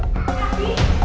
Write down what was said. sam bu dewi